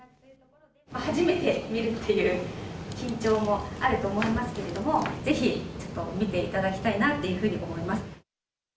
初めて見るという緊張もあると思いますけれども、ぜひちょっと、見ていただきたいなっていうふうに思います。